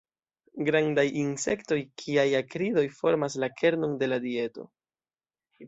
Grandaj insektoj kiaj akridoj formas la kernon de la dieto.